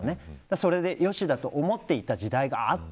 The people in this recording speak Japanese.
それで良しだと思っていた時代があった。